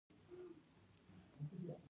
آیا ډیرو خلکو هلته شتمني ونه موندله؟